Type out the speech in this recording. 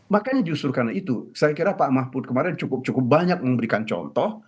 makanya justru karena itu saya kira pak mahfud kemarin cukup cukup banyak memberikan contoh